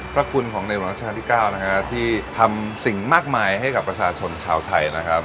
พระคุณของในหลวงราชการที่๙นะฮะที่ทำสิ่งมากมายให้กับประชาชนชาวไทยนะครับ